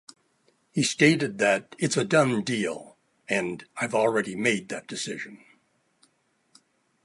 He stated that "It's a done deal" and "I have already made that decision.